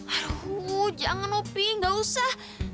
aduh jangan opi gak usah